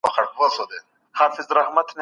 تاسو به د نورو بریا ته په ښه نظر ګورئ.